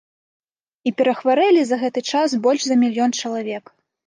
І перахварэлі за гэты час больш за мільён чалавек.